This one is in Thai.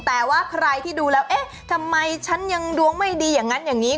แต่ว่าใครที่ดูแล้วเอ๊ะทำไมฉันยังดวงไม่ดีอย่างนั้นอย่างนี้